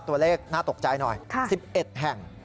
ตัวเลขน่าตกใจหน่อย๑๑แห่ง